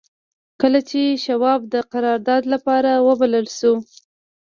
کله چې شواب د قرارداد لپاره وبلل شو.